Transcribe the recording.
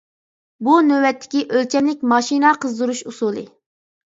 بۇ نۆۋەتتىكى ئۆلچەملىك ماشىنا قىزدۇرۇش ئۇسۇلى.